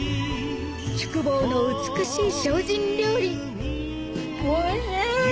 宿坊の美しい精進料理おいしい！